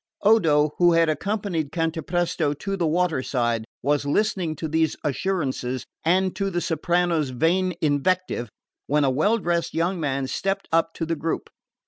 Odo, who had accompanied Cantapresto to the water side, was listening to these assurances and to the soprano's vain invectives, when a well dressed young man stepped up to the group.